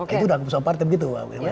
itu udah keputusan partai begitu